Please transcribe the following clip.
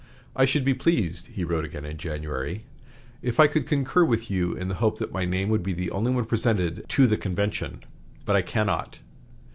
"I should be pleased," he wrote again in January, "if I could concur with you in the hope that my name would be the only one presented to the convention; but I cannot.